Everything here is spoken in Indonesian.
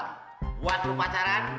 buat lu pacaran